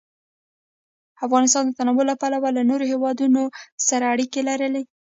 افغانستان د تنوع له پلوه له نورو هېوادونو سره اړیکې لري.